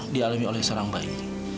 dialami oleh seorang bayi